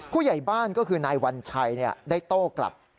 ผู้ใหญ่บ้านก็คือนายวัญชัยได้โต้กลับ